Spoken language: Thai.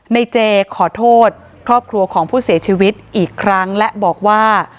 ในเจขอโทษครอบครัวของผู้เสียชีวิตอีกครั้งและบอกว่า